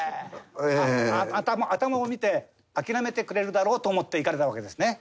頭を見て諦めてくれるだろうと思って行かれたわけですね。